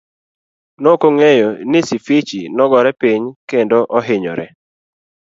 Nokongeyo ni Sifichi nogore piny kendo ohinyore.